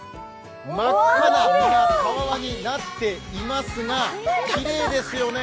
真っ赤な実がたわわになっていますが、きれいですよね。